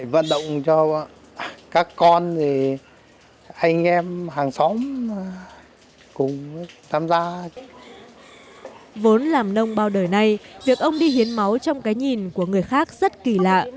vốn làm nông bao đời này việc ông đi hiến máu trong cái nhìn của người khác rất kỳ lạ